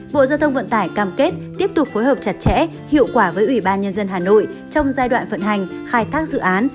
bộ giao thông vận tải cam kết tiếp tục phối hợp chặt chẽ hiệu quả với ủy ban nhân dân hà nội trong giai đoạn vận hành khai thác dự án